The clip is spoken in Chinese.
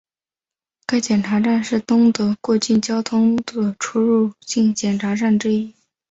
该检查站是东德过境交通的出入境检查站之一。